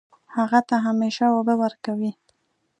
هغه ته همیشه اوبه ورکوئ